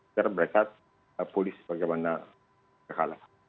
agar mereka pulih sebagaimana terkalah